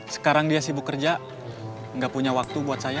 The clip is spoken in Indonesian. sekarang dia sibuk kerja nggak punya waktu buat saya